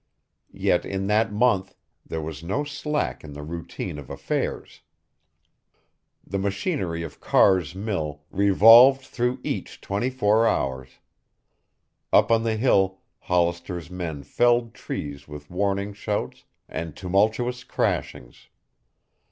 Yet in that month there was no slack in the routine of affairs. The machinery of Carr's mill revolved through each twenty four hours. Up on the hill Hollister's men felled trees with warning shouts and tumultuous crashings.